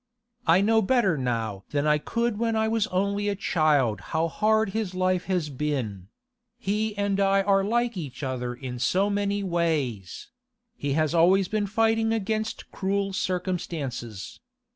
I know better now than I could when I was only a child how hard his life has been; he and I are like each other in so many ways; he has always been fighting against cruel circumstances.